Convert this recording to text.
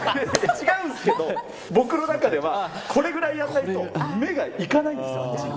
違うんですけど、僕の中ではこれぐらいやらないと、目がいかないんですよ。